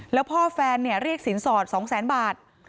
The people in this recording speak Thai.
แล้วพ่อแฟนเนี่ยเรียกสินสอด๒๐๐๐๐๐บาท